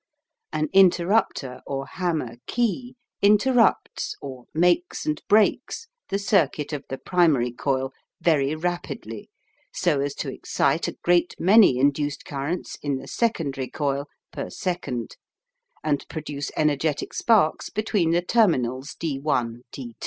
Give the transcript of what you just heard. An interrupter or hammer "key" interrupts or "makes and breaks" the circuit of the primary coil very rapidly, so as to excite a great many induced currents in the secondary coil per second, and produce energetic sparks between the terminals D1 D2.